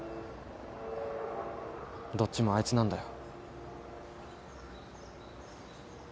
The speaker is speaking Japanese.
どっちもあいつなんだよ。